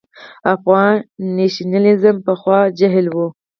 افغان نېشنلېزم پخوا جهل و.